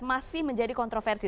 masih menjadi kontroversi